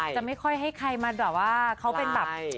จะไม่ค่อยให้ใครมาแบบว่าเขาเป็นแบบ